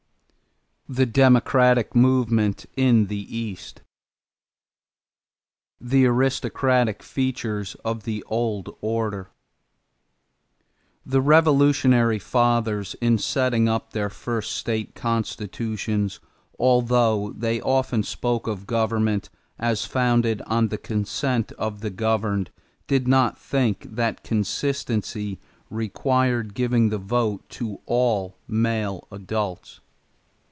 THE DEMOCRATIC MOVEMENT IN THE EAST =The Aristocratic Features of the Old Order.= The Revolutionary fathers, in setting up their first state constitutions, although they often spoke of government as founded on the consent of the governed, did not think that consistency required giving the vote to all adult males.